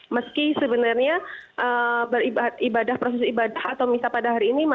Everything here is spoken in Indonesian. meski sebenarnya beribadah proses ibadah atau misa pada hari ini